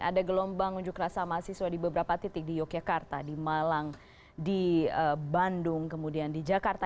ada gelombang unjuk rasa mahasiswa di beberapa titik di yogyakarta di malang di bandung kemudian di jakarta